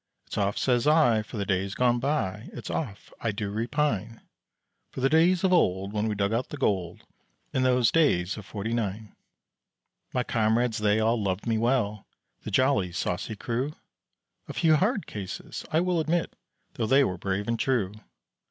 It's oft, says I, for the days gone by, It's oft do I repine For the days of old when we dug out the gold In those days of Forty Nine. My comrades they all loved me well, The jolly, saucy crew; A few hard cases, I will admit, Though they were brave and true.